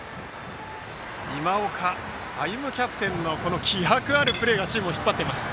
今岡歩夢キャプテンの気迫あるプレーがチームを引っ張っています。